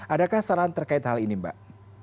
adakah saran terkait hal ini mbak